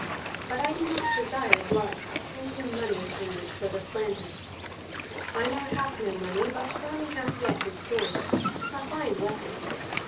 But I do not desire blood, only money atonement for the slander. Einar hath no money; but Grani hath yet his sword, a fine weapon.